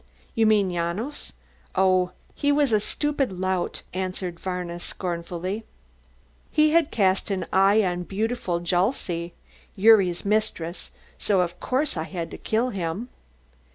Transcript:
"You mean Janos? Oh, he was a stupid lout," answered Varna scornfully. "He had cast an eye on the beautiful Julcsi, Gyuri's mistress, so of course I had to kill him."